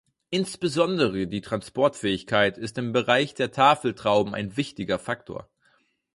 Insbesondere die Transportfähigkeit ist im Bereich der Tafeltrauben ein wichtiger Faktor.